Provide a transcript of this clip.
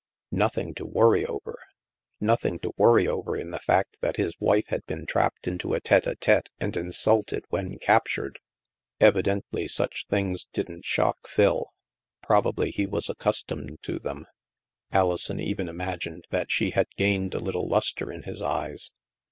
Nothing to worry over ! Nothing to worry over, in the fact that his wife had been trapped into a tete drtete and insulted when captured! Evidently such things didn't shock Phil. Probably he was ac customed to them. Alison even imagined that she had gained a little luster in his eyes.